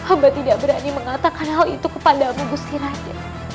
amba tidak berani mengatakan hal itu kepadamu gusti raden